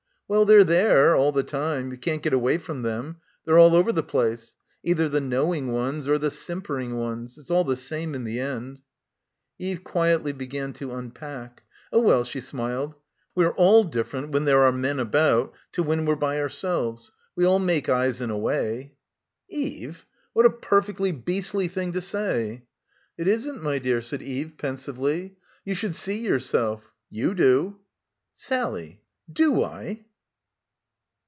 "Well, they're there, all the time. You can't get away from them. They're all over the place. Either the knowing ones or the simpering ones. It's all the same in the end." Eve quietly began to unpack. "Oh well," — 211 — PILGRIMAGE she smiled, "we're all different when there are men about to when we're by ourselves. We all make eyes in a way." "Eve ! What a perfectly beastly thing to say." "It isn't, my dear," said Eve pensively. "You should see yourself; you do." "Sally, do I?"